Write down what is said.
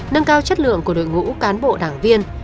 nâng cao chất lượng của đội ngũ cán bộ đảng viên